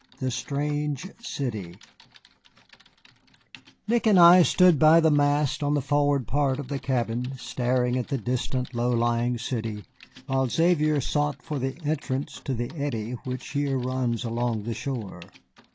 THE STRANGE CITY Nick and I stood by the mast on the forward part of the cabin, staring at the distant, low lying city, while Xavier sought for the entrance to the eddy which here runs along the shore.